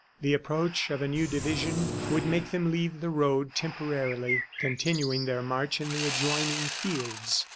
The approach of a new division would make them leave the road temporarily, continuing their march in the adjoining fields.